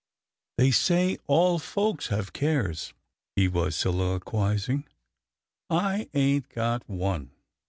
" They say all folks have cares," he was solilo quizing, " I ain't got one.